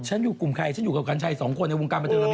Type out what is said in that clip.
ฉันอยู่กลุ่มใครฉันอยู่กับกัญชัย๒คนในวงการมัตตุม